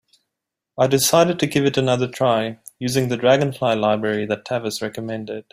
I decided to give it another try, using the Dragonfly library that Tavis recommended.